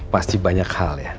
pasti banyak hal ya